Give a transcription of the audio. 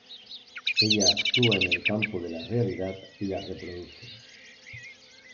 Ella actúa en el campo de la realidad y la reproduce.